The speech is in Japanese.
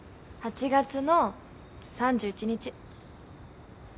８月の３１日。